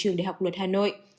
trường đại học luật hà nội